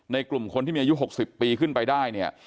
ในกลุ่มคนที่มีอายุ๖๐ปีขึ้นไปได้